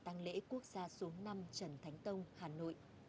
tăng lễ quốc gia số năm trần thánh tông hà nội